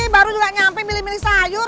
baru juga nyampe milih milih sayur